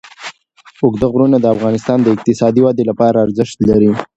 اوږده غرونه د افغانستان د اقتصادي ودې لپاره ارزښت لري.